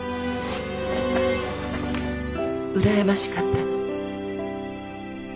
うらやましかったの。